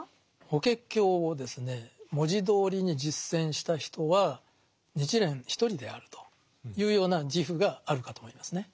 「法華経」をですね文字どおりに実践した人は日蓮一人であるというような自負があるかと思いますね。